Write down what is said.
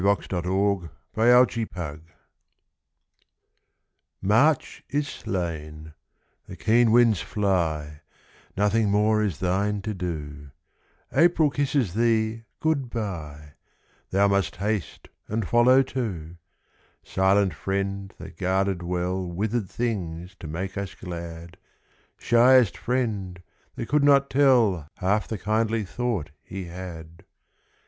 GOD SPEED TO THE SNOW March is slain; the keen winds fly; Nothing more is thine to do; April kisses thee good bye; Thou must haste and follow too; Silent friend that guarded well Withered things to make us glad, Shyest friend that could not tell Half the kindly thought he had.